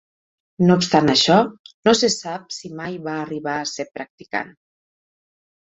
No obstant això, no se sap si mai va arribar a ser practicant.